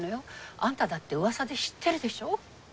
アンタだって噂で知ってるでしょ。